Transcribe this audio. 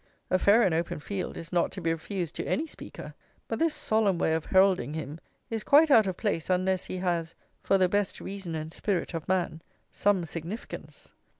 A fair and open field is not to be refused to any speaker; but this solemn way of heralding him is quite out of place unless he has, for the best reason and spirit of man, some significance.